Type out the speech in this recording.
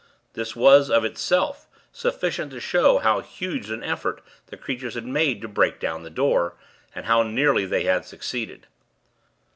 This was, of itself, sufficient to show how huge an effort the creatures had made to break down the door, and how nearly they had succeeded.